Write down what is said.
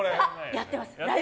やってます。